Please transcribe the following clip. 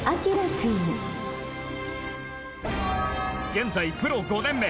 現在プロ５年目。